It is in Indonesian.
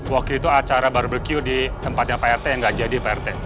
waktu itu acara barbeque di tempatnya pak rt yang gak jadi pak rt